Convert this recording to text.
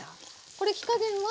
これ火加減は？